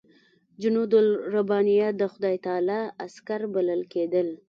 جنودالربانیه د خدای تعالی عسکر بلل کېدل.